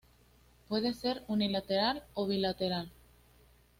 Puede ser unilateral o bilateral.